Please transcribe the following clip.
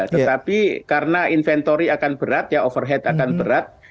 tetapi karena inventory akan berat ya overhead akan berat